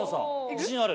自信ある。